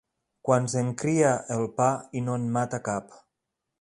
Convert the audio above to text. Quants en cria el pa i no en mata cap.